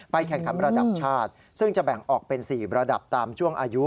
แข่งขันระดับชาติซึ่งจะแบ่งออกเป็น๔ระดับตามช่วงอายุ